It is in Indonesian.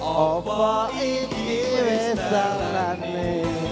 apa ini wesal nanti